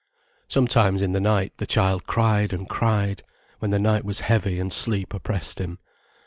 Sometimes in the night, the child cried and cried, when the night was heavy and sleep oppressed him.